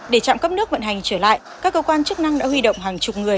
để trạm cấp nước vận hành trở lại các cơ quan chức năng đã huy động hàng chục người